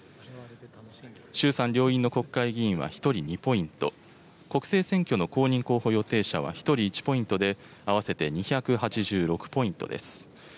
衆参両院の国会議員は１人２ポイント、国政選挙の公認候補予定者は１人１ポイントで、合わせて２８６ポイントです。